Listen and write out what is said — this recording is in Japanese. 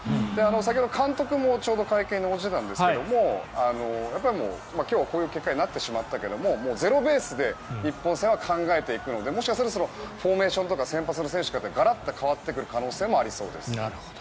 先ほど、監督もちょうど会見に応じてたんですが今日、こういう結果になってしまったけれどゼロベースで日本戦は考えていくのでもしかするとフォーメーションとか先発の選手もガラッと変わってくる可能性もありそうです。